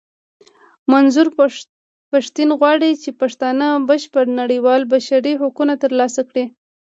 منظور پښتين غواړي چې پښتانه بشپړ نړېوال بشري حقونه ترلاسه کړي.